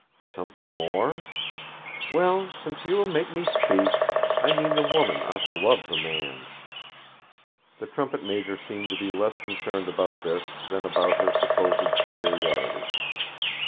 'Something more?' 'Well, since you will make me speak, I mean the woman ought to love the man.' The trumpet major seemed to be less concerned about this than about her supposed superiority.